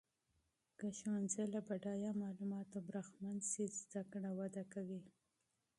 که ښوونځۍ له بډایه معلوماتو برخمن سي، زده کړه وده کوي.